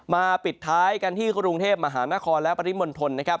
มาปิดท้ายกันที่กรุงเทพฯมหานครและปฤษมนตร์ทน